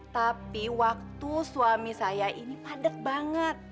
tapi waktu suami saya ini padat banget